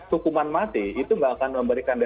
hukuman mati itu nggak akan memberikan